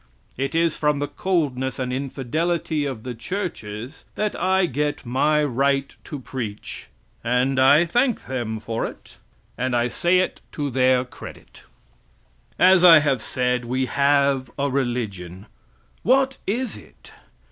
It is from the coldness and infidelity of the churches that I get my right to preach; and I thank them for it, and I say it to their credit. As I have said, we have a religion. What is it?